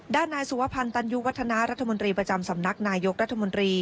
ด้านนายสุวพันธ์ตันยุวัฒนารัฐมนตรีประจำสำนักนายกรัฐมนตรี